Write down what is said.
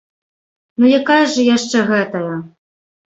Ну якая ж яшчэ гэтая?